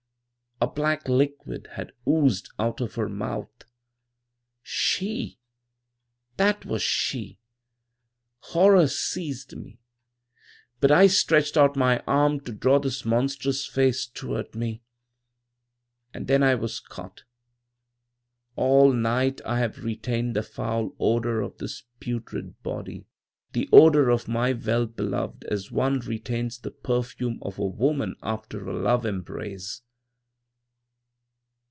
A black liquid had oozed out of her mouth. "She! That was she! Horror seized me. But I stretched out my arm to draw this monstrous face toward me. And then I was caught. "All night I have retained the foul odor of this putrid body, the odor of my well beloved, as one retains the perfume of a woman after a love embrace.